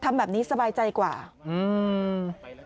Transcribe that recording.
ทำแบบนี้สบายใจกว่าอืม